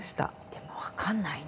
でも分かんないね。